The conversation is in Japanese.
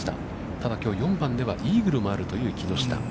ただ、きょうは４番ではイーグルもあるという木下。